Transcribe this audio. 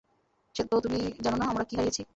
তো তুমি জানো না আমরা কী হারিয়েছি।